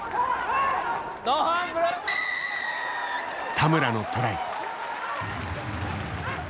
田村のトライ。